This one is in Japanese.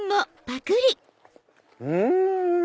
うん！